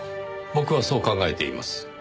僕はそう考えています。